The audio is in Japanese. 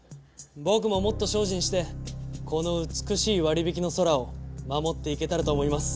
僕ももっと精進してこの美しい割り引きの空を守っていけたらと思います。